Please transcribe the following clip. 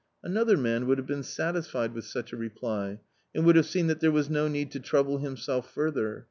Another man would have been satisfied with such a reply, and would have seen that there was no need to trouble himself further.